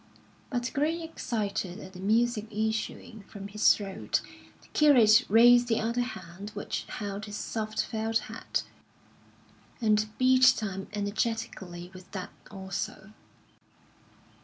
_" But growing excited at the music issuing from his throat, the curate raised the other hand which held his soft felt hat, and beat time energetically with that also.